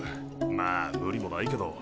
まあ無理もないけど。